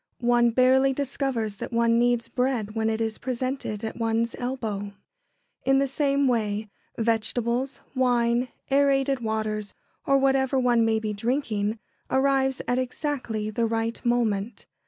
One barely discovers that one needs bread when it is presented at one's elbow. [Sidenote: The perfection of service.] In the same way, vegetables, wine, aërated waters, or whatever one may be drinking, arrives at exactly the right moment.